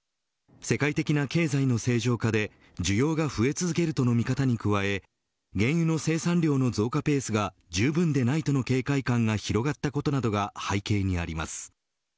世界的な経済の正常化で需要が増え続けるとの見方に加え原油の生産量の増加ペースがじゅうぶんでないとの警戒感が広がったことなどが背景にあります。